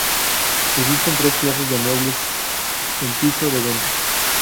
Existen tres clases de muebles en piso de venta.